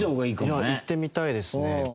いや行ってみたいですね。